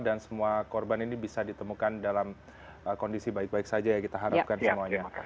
dan semua korban ini bisa ditemukan dalam kondisi baik baik saja yang kita harapkan semuanya